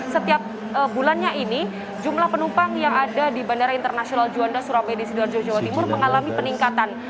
setiap bulannya ini jumlah penumpang yang ada di bandara internasional juanda surabaya di sidoarjo jawa timur mengalami peningkatan